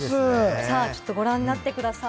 ご覧になってください。